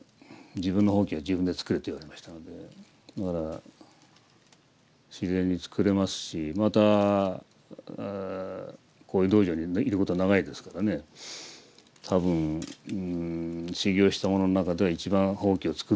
「自分のほうきは自分で作れ」と言われましたのでだから自然に作れますしまたこういう道場にいることが長いですからね多分修行した者の中では一番ほうきを作ってる人間の一人だと思いますね。